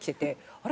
あれ？